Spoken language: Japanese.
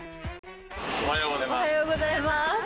おはようございます。